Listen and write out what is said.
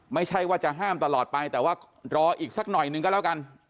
ไม่ใช่ว่าจะห้ามตลอดไปแต่ว่ารออีกสักหน่อยหนึ่งก็แล้วกัน